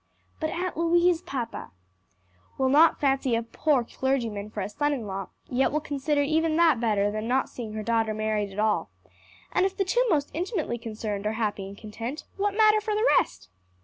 "But Aunt Louise, papa?" "Will not fancy a poor clergyman for a son in law, yet will consider even that better than not seeing her daughter married at all. And if the two most intimately concerned are happy and content, what matter for the rest?"